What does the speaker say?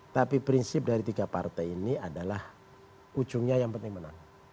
tapi prinsip dari tiga partai ini adalah ujungnya yang penting menang